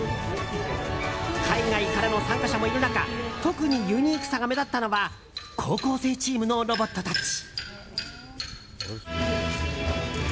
海外からの参加者もいる中特にユニークさが目立ったのは高校生チームのロボットたち。